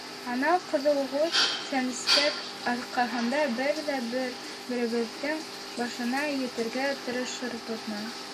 — Анау ҡыҙылгүҙ сәнскәк арҡаһында беҙ ҙә бер-беребеҙҙең башына етергә тырышырбыҙмы?